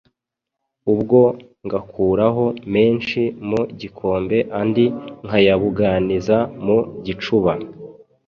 Ubwo ngakuraho menshi mu gikombe andi nkayabuganiza mu gicuba.